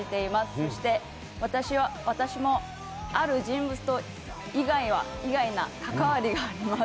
そして私も、ある人物と意外な関わりがあります。